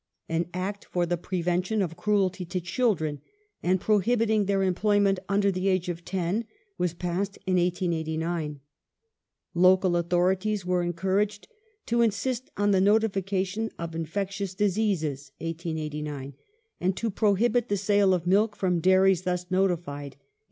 An Act for the prevention of cruelty to children and prohibiting their employment under the age of ten was passed in 1889 ; local authorities were encouraged to insist on the notifica tion of infectious diseases (1889) and to prohibit the sale of milk from dairies thus notified (1890).